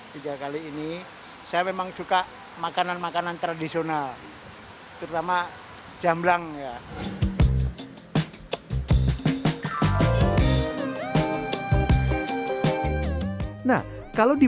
tiga kali ini saya memang suka makanan makanan tradisional terutama jamblang ya nah kalau di